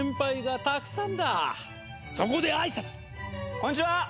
「こんにちは！